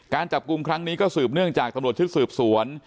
การจับกลุ่มครั้งนี้ก็สืบเนื่องจากตำรวจชุดสืบสวน